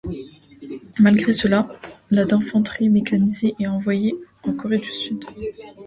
Malgré cela, la d'infanterie mécanisée est envoyée en Corée du Sud.